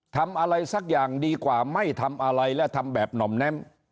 ทำอะไรสักอย่างดีกว่าไม่ทำอะไรและทำแบบหน่อมแน้ม